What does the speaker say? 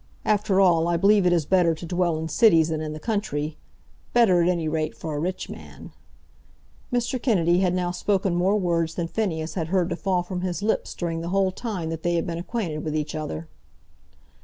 After all, I believe it is better to dwell in cities than in the country, better, at any rate, for a rich man." Mr. Kennedy had now spoken more words than Phineas had heard to fall from his lips during the whole time that they had been acquainted with each other.